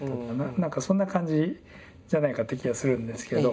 何かそんな感じじゃないかって気がするんですけど。